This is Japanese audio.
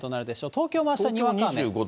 東京もあしたにわか雨。